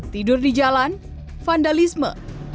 tidur di jalan vandalisme